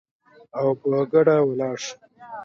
او په ګډه ولاړ شو